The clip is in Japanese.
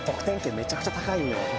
めちゃくちゃ高いんよ。